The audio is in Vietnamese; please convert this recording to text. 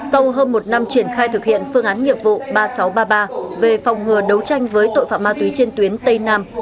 sau hơn một năm triển khai thực hiện phương án nghiệp vụ ba nghìn sáu trăm ba mươi ba về phòng ngừa đấu tranh với tội phạm ma túy trên tuyến tây nam